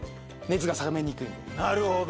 なるほど。